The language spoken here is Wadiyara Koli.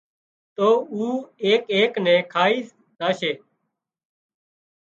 تو اُو ايڪ ايڪ نين کائي زاشي